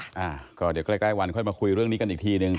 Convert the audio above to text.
อ่าก็เดี๋ยวใกล้ใกล้วันค่อยมาคุยเรื่องนี้กันอีกทีหนึ่ง